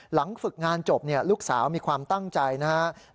ฝึกงานจบลูกสาวมีความตั้งใจนะครับ